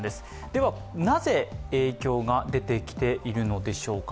では、なぜ影響が出てきているのでしょうか。